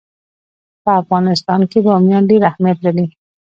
په افغانستان کې بامیان ډېر اهمیت لري.